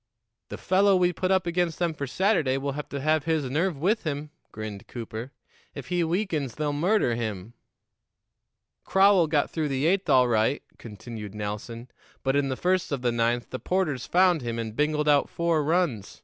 "The fellow we put up against them for Saturday will have to have his nerve with him," grinned Cooper. "If he weakens, they'll murder him." "Crowell got through the eighth all right," continued Nelson; "but in the first of the ninth the 'Porters found him and bingled out four runs.